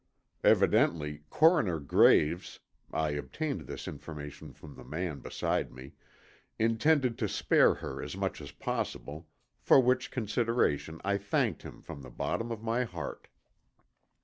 Evidently Coroner Graves (I obtained this information from the man beside me) intended to spare her as much as possible, for which consideration I thanked him from the bottom of my heart.